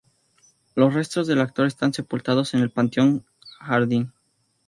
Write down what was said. Los restos del actor están sepultados en El panteón Jardín.